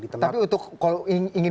tapi untuk kalau ingin